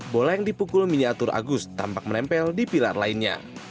bola yang dipukul miniatur agus tampak menempel di pilar lainnya